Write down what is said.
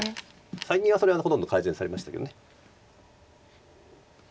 最近はそれはほとんど改善されましたけど。